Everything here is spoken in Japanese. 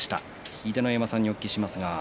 秀ノ山さんに、お聞きします。